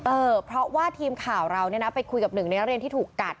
เออเพราะว่าทีมข่าวเราเนี่ยนะไปคุยกับหนึ่งในนักเรียนที่ถูกกัด